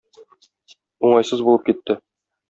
Уңайсыз булып китте.